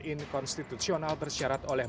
inkonstitusional bersyarat oleh